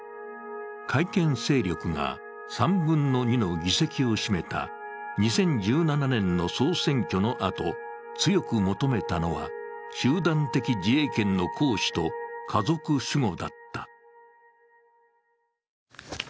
改憲勢力が３分の２の議席を占めた２０１７年の総選挙のあと強く求めたのは、集団的自衛権の行使と家族守護だった。